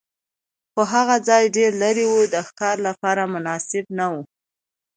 خو هغه ځای ډېر لرې و، د ښکار لپاره مناسب نه و.